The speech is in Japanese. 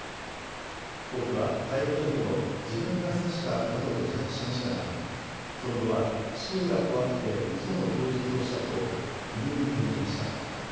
被告は逮捕直後、自分が刺したなどと自白しましたがその後は死刑が怖くて、うその供述をしたと否認に転じました。